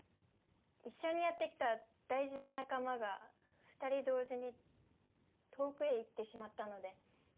一緒にやってきた大事な仲間が２人同時に遠くへ行ってしまったので。